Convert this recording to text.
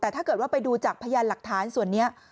แต่ถ้าเกิดว่าไปดูจากพยานหลักฐานส่วนนี้